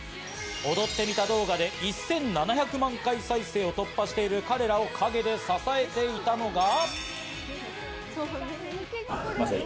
踊ってみた動画で１７００万回再生を突破している彼らを陰で支えていたのが。